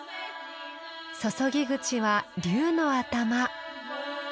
注ぎ口は竜の頭。